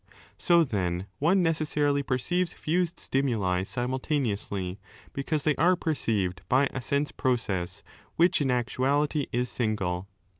So then one necessarily perceives fused stimuli simultaneously, because they are perceived by a sense process which in actuality is single.